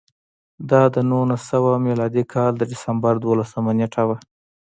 دا د نولس سوه میلادي کال د ډسمبر دولسمه نېټه وه